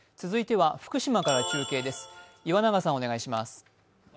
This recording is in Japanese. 続いては福島から中継です。